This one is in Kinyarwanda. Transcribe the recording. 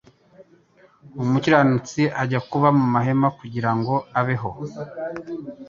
umukiranutsi ajya kuba mu mahema kugira ngo abeho